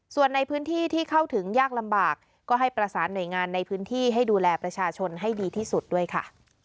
ส่วนในพื้นที่ที่เข้าถึงยากลำบากก็ให้ประสานหน่วยงานในพื้นที่ให้ดูแลประชาชนให้ดีที่สุดด้วยค่ะ